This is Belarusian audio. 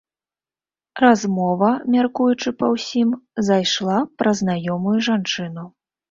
Размова, мяркуючы па ўсім, зайшла пра знаёмую жанчыну.